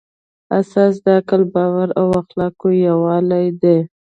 اساس د عقل، باور او اخلاقو یووالی دی.